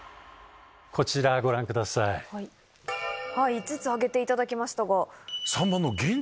５つ挙げていただきましたが。